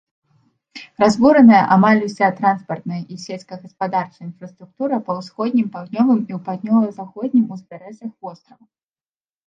Разбураная амаль уся транспартная і сельскагаспадарчая інфраструктура на ўсходнім, паўднёвым і паўднёва-заходнім узбярэжжах вострава.